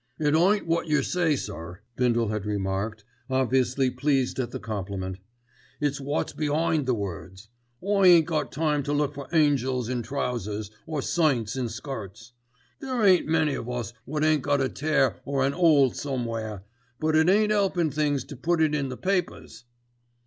"It ain't wot yer say, sir," Bindle had remarked, obviously pleased at the compliment. "It's wot's be'ind the words. I ain't got time to look for angels in trousers, or saints in skirts. There ain't many of us wot ain't got a tear or an 'ole somewhere, but it ain't 'elpin' things to put it in the papers."